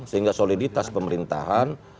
sehingga soliditas pemerintahan